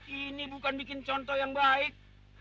ini bukan bikin contoh yang baik